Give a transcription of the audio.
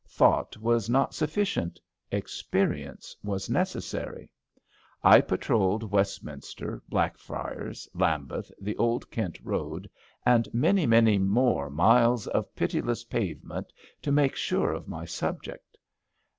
Thought was not sujfficient; experience was necessary. I patrolled Westminster, Blackfriars, Lambeth, the Old Kent Boad, and many, many more miles of pitiless pave ment to make sure of my subject.